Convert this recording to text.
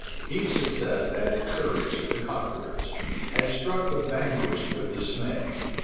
Each success added courage to the conquerors, and struck the vanquished with dismay.